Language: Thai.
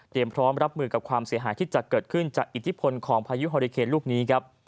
พร้อมรับมือกับความเสียหายที่จะเกิดขึ้นจากอิทธิพลของพายุฮอริเคนลูกนี้ครับ